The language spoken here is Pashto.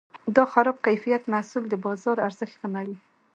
د خراب کیفیت محصول د بازار ارزښت کموي.